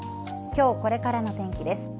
今日これからの天気です。